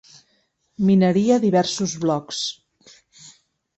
Mineria diversos blocs.